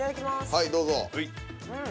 はいどうぞ。